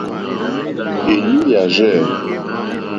Èɲú yà rzɛ̂.